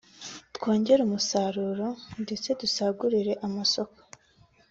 twongere umusaruro ndetse dusagurire amasoko